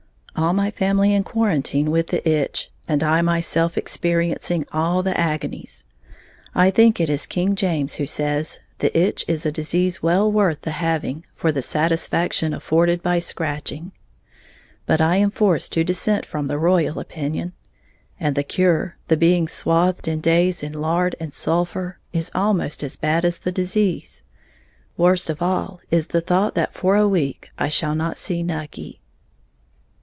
_ All my family in quarantine with the itch, and I myself experiencing all the agonies. I think it is King James who says, "The Itch is a disease well worth the having, for the satisfaction afforded by scratching"; but I am forced to dissent from the royal opinion. And the cure, the being swathed for days in lard and sulphur is almost as bad as the disease. Worst of all is the thought that for a week I shall not see Nucky.